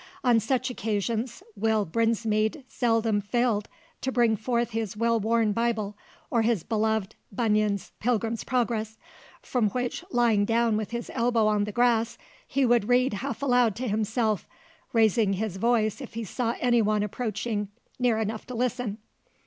On such occasions Will Brinsmead seldom failed to bring forth his well worn Bible, or his beloved Bunyan's "Pilgrim's Progress," from which, lying down with his elbow on the grass, he would read half aloud to himself, raising his voice if he saw any one approaching near enough to listen.